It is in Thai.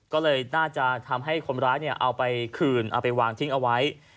ก็เลยน่าจะทำให้คนร้ายเอาไปคืนเอาไปวางทิ้งเอาไว้